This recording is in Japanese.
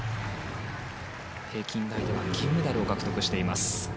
平均台では銀メダルを獲得しています。